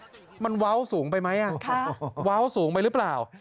อันนี้มันว้าวสูงไปไหมค่ะว้าสูงไปหรือเปล่า